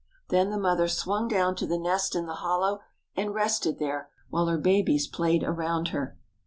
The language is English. Then the mother swung down to the nest in the hollow and rested there while her babies played around her.